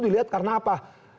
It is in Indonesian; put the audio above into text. dilihat karena apa